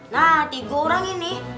nah tiga orang ini